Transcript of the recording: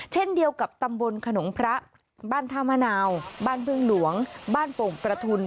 เช่นเดียวกับตำบลขนงพระบ้านท่ามะนาวบ้านพึ่งหลวงบ้านโป่งประทุน